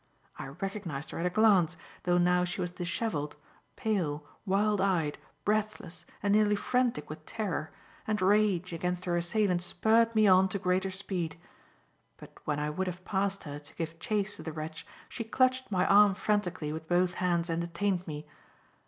I recognised her at a glance, though now she was dishevelled, pale, wild eyed, breathless and nearly frantic with terror, and rage against her assailant spurred me on to greater speed. But when I would have passed her to give chase to the wretch, she clutched my arm frantically with both hands and detained me.